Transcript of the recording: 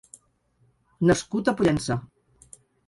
Nascut a Pollença.